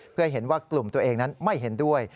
เพื่อเห็นว่ากลุ่มตัวเองนั้นไม่เห็นด้วย